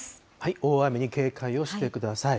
大雨に警戒をしてください。